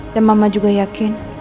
dan mama juga yakin